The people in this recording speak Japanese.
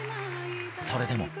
それでも。